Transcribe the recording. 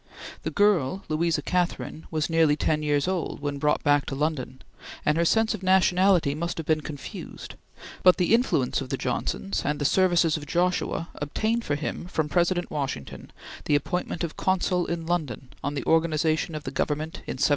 The girl Louisa Catherine was nearly ten years old when brought back to London, and her sense of nationality must have been confused; but the influence of the Johnsons and the services of Joshua obtained for him from President Washington the appointment of Consul in London on the organization of the Government in 1790.